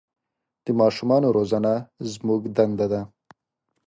د ماشومان روزنه زموږ دنده ده.